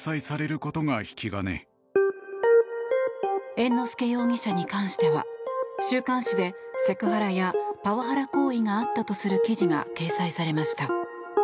猿之助容疑者に関しては週刊誌でセクハラやパワハラ行為があったとする記事が掲載されました。